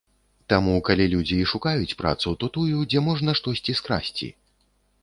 Таму, калі людзі і шукаюць працу, то тую, дзе можна штосьці скрасці.